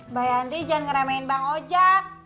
mbak yanti jangan ngeremehin bang oja